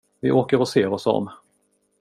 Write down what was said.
Vi åker och ser oss om.